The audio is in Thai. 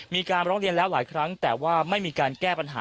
มีการร้องเรียนแล้วหลายครั้งแต่ว่าไม่มีการแก้ปัญหา